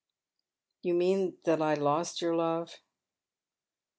■* You mean that I lost your love